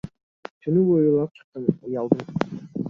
Түнү бою ыйлап чыктым, уялдым.